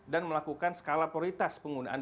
dan melakukan skala prioritas penggunaan